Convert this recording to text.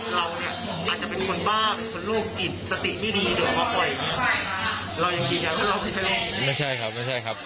ถามบอกว่าถ้าจะขยะไปตลอดเข้าไปมันจะถอยบน